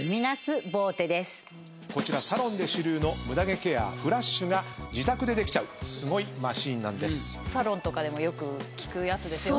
こちらサロンで主流の無駄毛ケアフラッシュが自宅でできちゃうすごいマシンなんです。